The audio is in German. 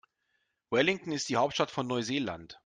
Wellington ist die Hauptstadt von Neuseeland.